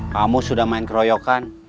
kamu sudah main kroyokan